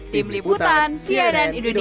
tim liputan sia dan indonesia